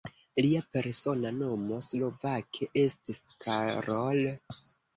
Lia persona nomo slovake estis "Karol".